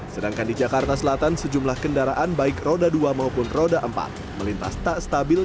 sedangkan di jakarta selatan sejumlah kendaraan baik roda dua maupun roda empat melintas tak stabil